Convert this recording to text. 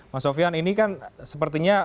mas sofian ini kan sepertinya